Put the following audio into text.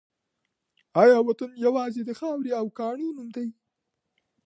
آیا وطن یوازې د خاورې او کاڼو نوم دی؟